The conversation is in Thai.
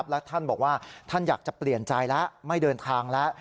และท่านบอกว่าท่านอยากจะเปลี่ยนใจแล้วไม่เดินทางแล้ว